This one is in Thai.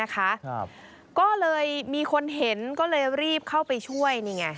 ก็เลยมีคนเห็นก็เลยรีบเข้าไปช่วยนี่ไง